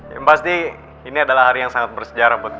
yang pasti ini adalah hari yang sangat bersejarah buat kita